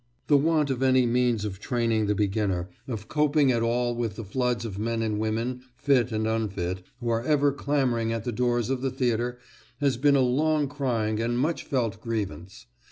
The want of any means of training the beginner, of coping at all with the floods of men and women, fit and unfit, who are ever clamouring at the doors of the theatre, has been a long crying and much felt grievance.